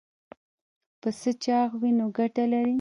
پسه چاغ وي نو ګټه لري.